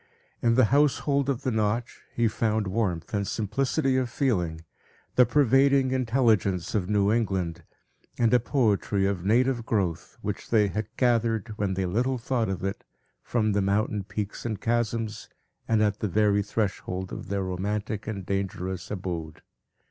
In the household of the Notch, he found warmth and simplicity of feeling, the pervading intelligence of New England, and a poetry of native growth, which they had gathered, when they little thought of it, from the mountain peaks and chasms, and at the very threshold of their romantic and dangerous abode.